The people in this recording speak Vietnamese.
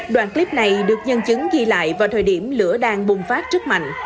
đoạn clip này được nhân chứng ghi lại vào thời điểm lửa đang bùng phát rất mạnh